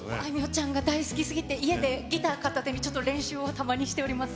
ちゃんが大好きすぎて、家でギター片手にちょっと練習をたまにしております。